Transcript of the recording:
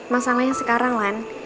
masalahnya sekarang lan